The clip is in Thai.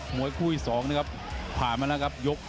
มวยคู่ที่๒นะครับผ่านมาแล้วครับยก